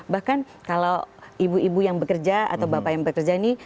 bahkan kalau ibu ibu yang bekerja atau bapak yang bekerja ini